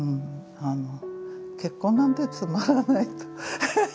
結婚なんてつまらないと。